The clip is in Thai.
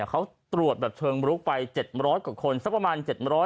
เขาตรวจแบบเชิงลุกไป๗๐๐กว่าคนสักประมาณ๗๐๐